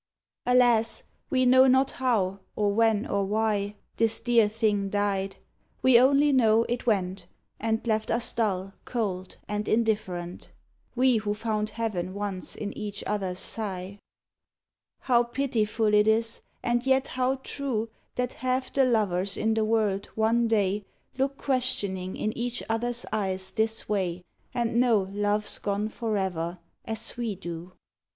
Alas, we know not how, or when or why This dear thing died. We only know it went, And left us dull, cold, and indifferent; We who found heaven once in each other's sigh. How pitiful it is, and yet how true That half the lovers in the world, one day, Look questioning in each other's eyes this way And know love's gone forever, as we do.